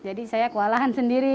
jadi saya kewalahan sendiri